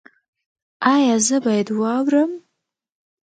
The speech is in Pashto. ایا زه باید واورم؟